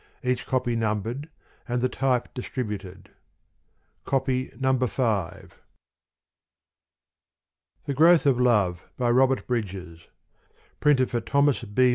Each copy numbered, and the type distributed. No. if T HE GROWTH OF LOVE BY ROBERT BRIDGES PRINTED FOR THOMAS B.